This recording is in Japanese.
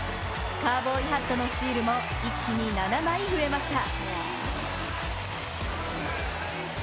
カウボーイハットのシールも一気に７枚増えました。